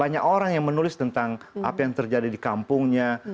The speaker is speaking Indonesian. banyak orang yang menulis tentang apa yang terjadi di kampungnya